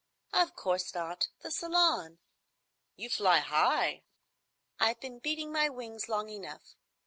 "Of course not. The Salon." "You fly high." "I've been beating my wings long enough.